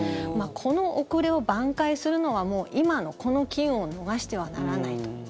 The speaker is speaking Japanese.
この遅れをばん回するのはもう今のこの機運を逃してはならないと。